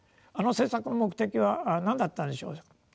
あの政策の目的は何だったのでしょう。